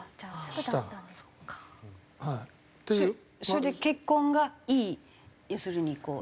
それで結婚がいい要するにこう。